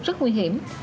rất nguy hiểm